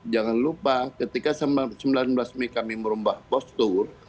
jangan lupa ketika sembilan belas mei kami merubah postur